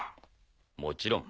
もちろん。